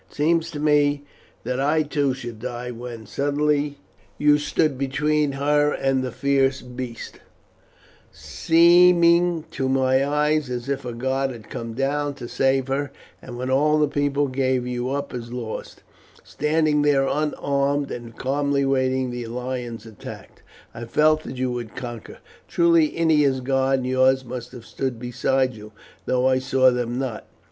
It seemed to me that I too should die, when suddenly you stood between her and the fierce beast, seeming to my eyes as if a god had come down to save her; and when all the people gave you up as lost, standing there unarmed and calmly waiting the lion's attack, I felt that you would conquer. Truly Ennia's God and yours must have stood beside you, though I saw them not.